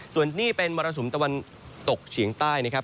ส่วนนี้เป็นมรสุมตะวันตกเฉียงใต้นะครับ